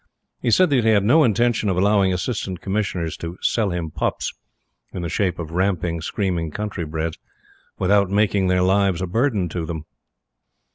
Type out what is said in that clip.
He said that he had no intention of allowing Assistant Commissioners to "sell him pups," in the shape of ramping, screaming countrybreds, without making their lives a burden to them.